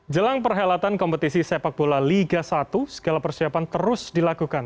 jelang perhelatan kompetisi sepak bola liga satu segala persiapan terus dilakukan